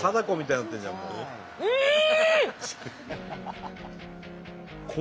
うん！